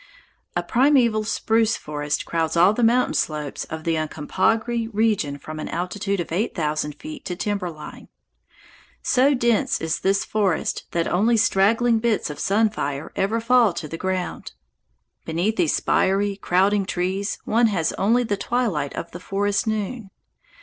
A primeval spruce forest crowds all the mountain slopes of the Uncompahgre region from an altitude of eight thousand feet to timber line. So dense is this forest that only straggling bits of sun fire ever fall to the ground. Beneath these spiry, crowding trees one has only "the twilight of the forest noon."